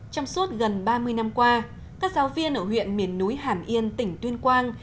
trong suốt gần ba mươi năm qua các giáo viên ở huyện miền núi hàm yên tỉnh tuyên quang